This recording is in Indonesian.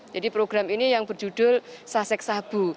jadi program ini yang berjudul sasek sabu